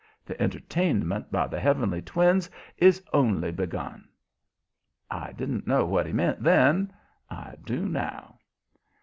The entertainment by the Heavenly Twins is only begun." I didn't know what he meant then; I do now.